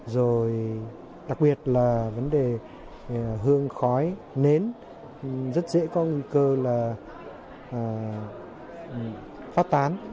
rồi đặc biệt là vấn đề hương khói nến rất dễ có nguy cơ là phát tán